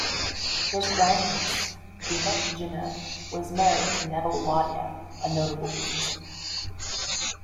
His grandniece, Dina Jinnah, was married to Neville Wadia, a notable businessman.